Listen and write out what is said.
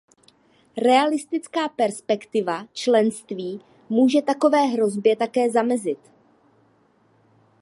Realistická perspektiva členství může takové hrozbě také zamezit.